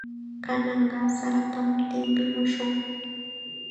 Kananqa saratam tipimushun.